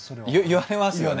言われますよね？